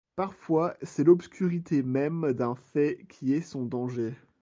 Parfois c'est l'obscurité même d'un fait qui est son danger.